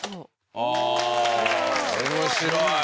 ああ面白い。